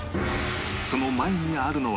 その前にあるのは